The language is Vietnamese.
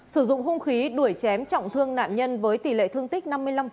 sử dụng hung khí đuổi chém trọng thương nạn nhân với tỷ lệ thương tích năm mươi năm